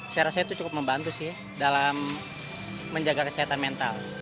saya rasa itu cukup membantu sih dalam menjaga kesehatan mental